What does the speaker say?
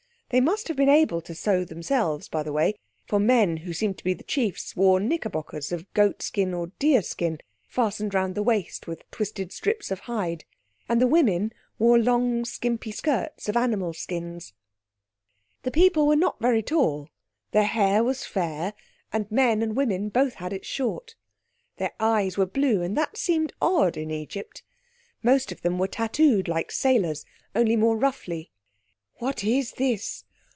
They must have been able to sew themselves, by the way, for men who seemed to be the chiefs wore knickerbockers of goat skin or deer skin, fastened round the waist with twisted strips of hide. And the women wore long skimpy skirts of animals' skins. The people were not very tall, their hair was fair, and men and women both had it short. Their eyes were blue, and that seemed odd in Egypt. Most of them were tattooed like sailors, only more roughly. "What is this?